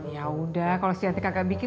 yaudah kalo si yanti kakak bikin